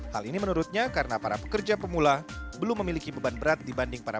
hal ini menurutnya karena para pekerja pemula belum memiliki beban berat dibanding para